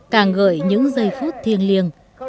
càng gợi những giây phút thiêng liêng